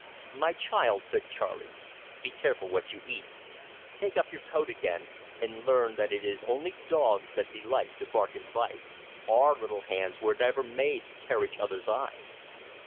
"My child," said Charley, "be careful what you eat. Take up your coat again, and learn that it is only dogs that delight to bark and bite. Our little hands were never made to tear each other's eyes."